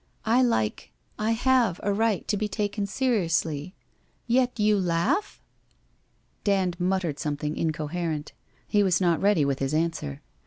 I like — I have a right to be taken seri ously. Yet you laugh ?' Dand muttered something incoherent. He was not ready with his answer.